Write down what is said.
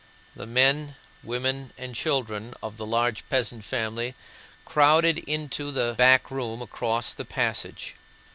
The men, women, and children of the large peasant family crowded into the back room across the passage.